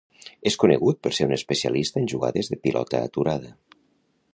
És conegut per ser un especialista en jugades de pilota aturada.